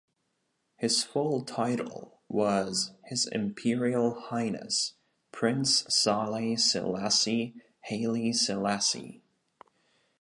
His full title was "His Imperial Highness, Prince Sahle Selassie Haile Selassie".